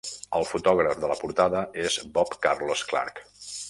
El fotògraf de la portada és Bob Carlos Clarke.